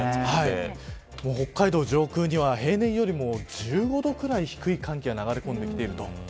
北海道上空には平年よりも１５度くらい低い寒気が流れ込んできていると。